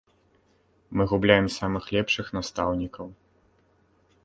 Мы губляем самых лепшых настаўнікаў.